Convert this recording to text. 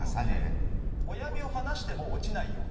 なので親指を離しても落ちないように。